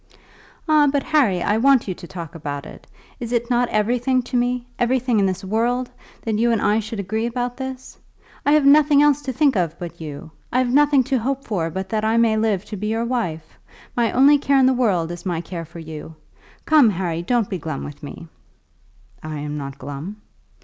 "Ah, but, Harry, I want you to talk about it. Is it not everything to me, everything in this world, that you and I should agree about this? I have nothing else to think of but you. I have nothing to hope for but that I may live to be your wife. My only care in the world is my care for you! Come, Harry, don't be glum with me." "I am not glum."